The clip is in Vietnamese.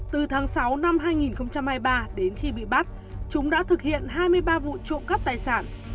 từ tháng sáu năm hai nghìn hai mươi ba đến khi bị bắt chúng đã thực hiện hai mươi ba vụ trộm cắp tài sản